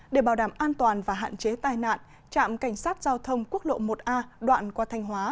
để bảo đảm an toàn và hạn chế tai nạn trạm cảnh sát giao thông quốc lộ một a đoạn qua thanh hóa